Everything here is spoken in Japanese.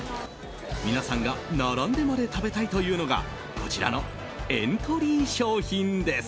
皆さんが並んでまで食べたいというのがこちらのエントリー商品です。